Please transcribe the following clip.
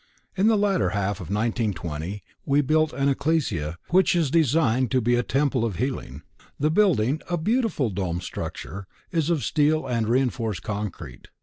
In the latter half of 1920 we built an Ecclesia, which is designed to be a Temple of Healing. The building, a beautiful domed structure, is of steel and reinforced concrete.